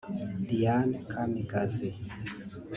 Dianne Kamikazi